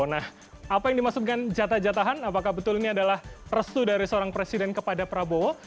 nah apa yang dimaksudkan jatah jatahan apakah betul ini adalah restu dari seorang presiden kepada prabowo